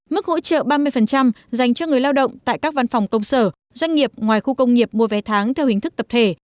mức hỗ trợ ba mươi dành cho người lao động tại các văn phòng công sở doanh nghiệp ngoài khu công nghiệp mua vé tháng theo hình thức tập thể